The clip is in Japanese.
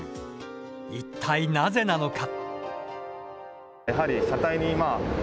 一体なぜなのか？